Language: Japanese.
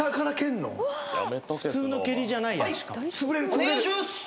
お願いします！